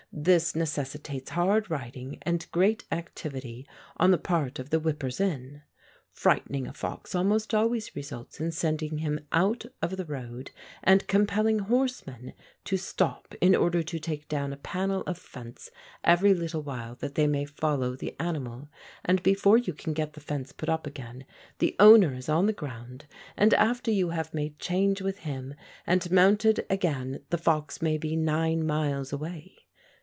This necessitates hard riding and great activity on the part of the whippers in. Frightening a fox almost always results in sending him out of the road and compelling horsemen to stop in order to take down a panel of fence every little while that they may follow the animal, and before you can get the fence put up again the owner is on the ground, and after you have made change with him and mounted again the fox may be nine miles away.